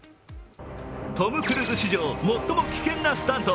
トム・クルーズ史上最も危険なスタント。